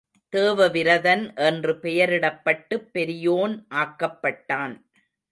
தேவ விரதன் என்று பெயரிடப்பட்டுப் பெரியோன் ஆக்கப்பட்டான்.